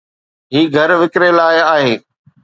هي گهر وڪري لاءِ آهي